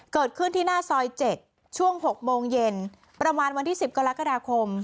เกิดขึ้นที่หน้าซอย๗ช่วง๖โมงเย็นประมาณวันที่๑๐กรกฎาคม